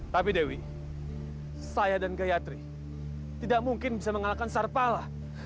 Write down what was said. tapi dewi saya dan gayatri tidak mungkin bisa mengalahkan sarpala